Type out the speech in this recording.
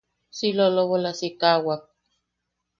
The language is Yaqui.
Si lolobola sikaʼawak.